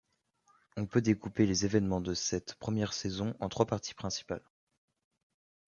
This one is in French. On peut découper les événements de cette première saison en trois parties principales.